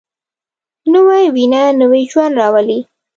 نوې وینه نوی ژوند راولي